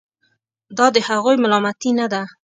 دا د هغوی ملامتي نه ده.